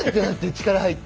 力入って。